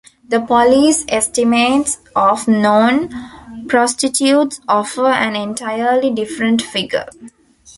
The police estimates of known prostitutes offer an entirely different figure.